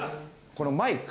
このマイク。